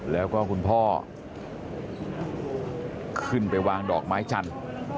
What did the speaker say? แล้วก็คุณพ่อขึ้นไปวางดอกไม้จันทร์